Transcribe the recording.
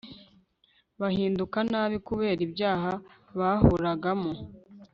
bahinduka nabi kubera ibyaha bahoragamo